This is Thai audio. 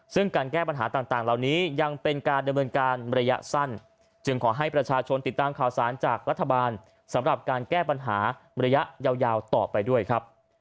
ซึ่งการแก้ปัญหาต่างเหล่านี้ยังเป็นการดำเนินการระยะสั้นจึงขอให้ประชาชนติดตามข่าวสารจากรัฐบาลสำหรับการแก้ปัญหาระยะยาวต่อไปด้วยครับ